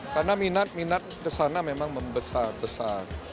karena minat minat kesana memang besar besar